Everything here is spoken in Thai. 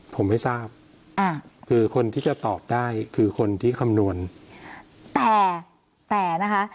ผมไม่ทราบอ่าคือคนที่จะตอบได้คือคนที่คำนวณแต่แต่นะคะ